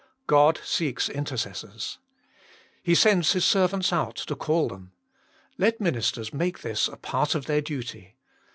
God seeks intercessors. He sends His servants out to call them. Let ministers make this a part of their duty.